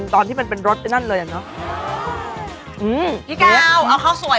ตอนที่มันเป็นรสนั้นเลยอ่ะเนาะ